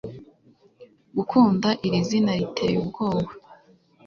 Gukunda iri zina riteye ubwoba